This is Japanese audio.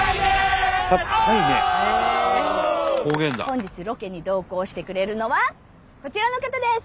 本日ロケに同行してくれるのはこちらの方です！